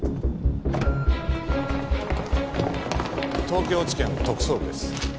東京地検特捜部です。